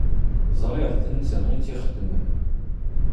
Ẓriɣ d netta i tt-ixedmen.